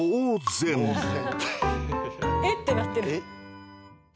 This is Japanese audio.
「え？」ってなってる。